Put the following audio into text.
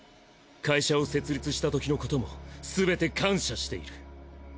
会社を設立したときのこともすべて感謝している。